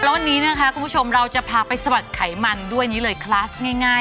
แล้ววันนี้นะคะคุณผู้ชมเราจะพาไปสะบัดไขมันด้วยนี้เลยคลาสง่าย